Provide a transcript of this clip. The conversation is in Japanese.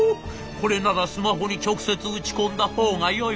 これならスマホに直接打ち込んだほうがよいわ。